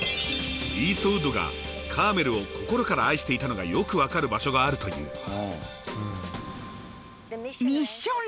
イーストウッドがカーメルを心から愛していたのがよく分かる場所があるという。